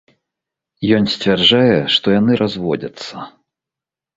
Ён сцвярджае, што яны разводзяцца.